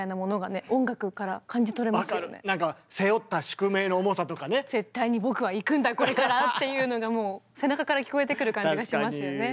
そういうところが「絶対に僕は行くんだこれから」っていうのがもう背中から聞こえてくる感じがしますよね。